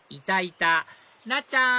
たなっちゃん！